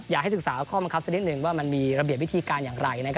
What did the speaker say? อยากให้ศึกษาข้อบังคับสักนิดนึงว่ามันมีระเบียบวิธีการอย่างไร